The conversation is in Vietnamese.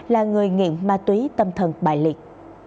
là người nghiện ma túy tâm thần bại liệt